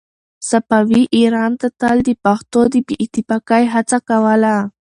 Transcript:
صفوي ایران تل د پښتنو د بې اتفاقۍ هڅه کوله.